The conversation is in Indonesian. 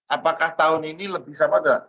apakah tahun ini lebih sama tidak